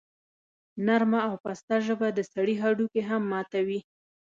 نرمه او پسته ژبه د سړي هډوکي هم ماتوي.